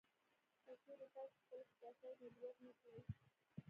که چېرې تاسې خپل احساسات مدیریت نه کړئ